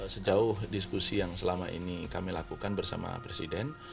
sejauh diskusi yang selama ini kami lakukan bersama presiden